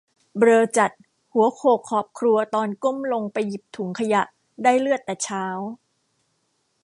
เบลอจัด หัวโขกขอบครัวตอนก้มลมไปหยิบถุงขยะ ได้เลือดแต่เช้า